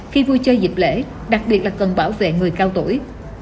khi vui chơi dịp lễ đặc biệt là cần bảo vệ người cao tuổi